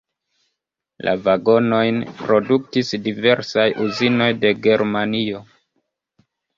La vagonojn produktis diversaj uzinoj de Germanio.